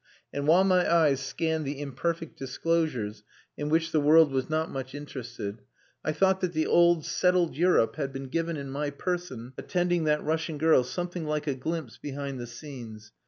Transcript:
And while my eyes scanned the imperfect disclosures (in which the world was not much interested) I thought that the old, settled Europe had been given in my person attending that Russian girl something like a glimpse behind the scenes.